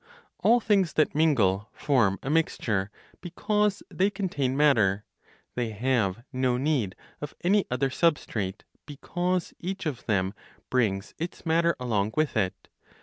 All things that mingle form a mixture, because they contain matter; they have no need of any other substrate, because each of them brings its matter along with it.